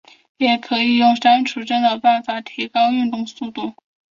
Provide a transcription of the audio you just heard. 也可以用删除帧的办法提高运动速度。